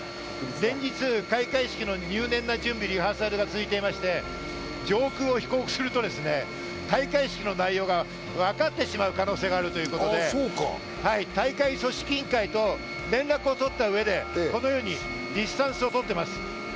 連日、開会式の入念なリハーサルが続いていて、上空を飛行すると開会式の内容が分かってしまう可能性があるということで、大会組織委員会と連絡を取った上でこのようにディスタンスを取っています。